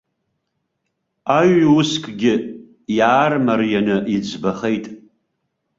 Аҩ-ускгьы иаармарианы иӡбахеит.